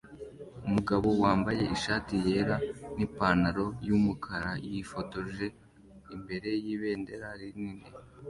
Umugabo wambaye ishati yera nipantaro yumukara yifotoje imbere yibendera rinini